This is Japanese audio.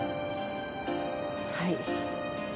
はい。